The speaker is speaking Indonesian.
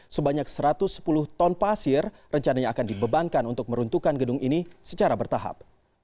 sebanyak satu ratus sepuluh ton pasir rencananya akan dibebankan untuk meruntuhkan gedung ini secara bertahap